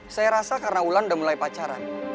saya rasa karena ulan udah mulai pacaran